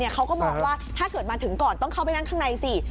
เขาก็บอกว่าถ้าเกิดมาถึงก่อนต้องเข้าไปนั่งข้างในสิ